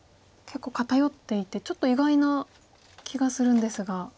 結構偏っていてちょっと意外な気がするんですが。